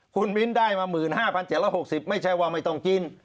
คุณมิ้นได้มา๑๕๗๖๐ไม่ใช่ว่าไม่ต้องกิน